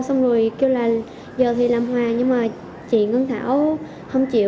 xong rồi kêu là giờ thì làm hòa nhưng mà chị ngân thảo không chịu